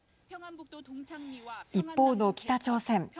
一方の北朝鮮。